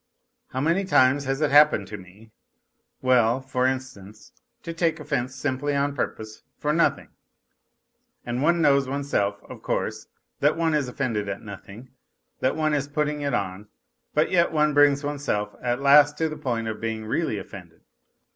How many times it has happened to me well, for instance, to take offence simply on purpose, for nothing; and one knows oneself, of course, that one is offended at nothing, that one is putting it on, but yet one brings oneself, at last to the point of being really offended.